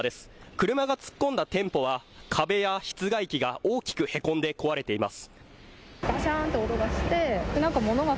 車が突っ込んだ店舗は壁や室外機が大きくへこんで壊れています。